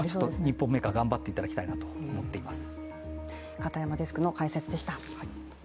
日本メーカー、頑張っていただきたいなと思っています。